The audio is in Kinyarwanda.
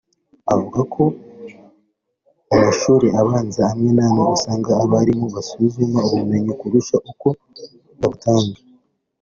avuga ko mu mashuri abanza amwe n’amwe usanga abarimu basuzuma ubumenyi kurusha uko babutanga